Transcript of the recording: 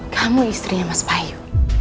kamu istrinya mas payu